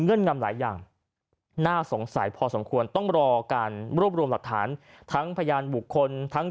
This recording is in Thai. งำหลายอย่างน่าสงสัยพอสมควรต้องรอการรวบรวมหลักฐานทั้งพยานบุคคลทั้ง